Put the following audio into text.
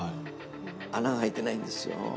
穴が空いてないんですよ。